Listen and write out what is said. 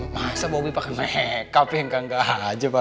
masa bobby pake makeup ya engga engga